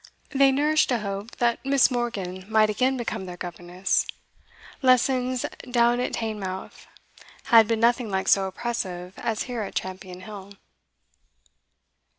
They nourished a hope that Miss. Morgan might again become their governess; lessons down at Teignmouth had been nothing like so oppressive as here at Champion Hill.